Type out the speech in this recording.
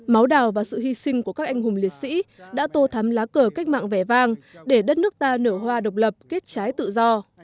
máu đào và sự hy sinh của các anh hùng liệt sĩ đã tô thắm lá cờ cách mạng vẻ vang để đất nước ta nở hoa độc lập kết trái tự do